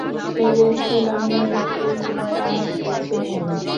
ভেবেছিলাম নিরিবিলি কোনো কাজ বেছে নেবে।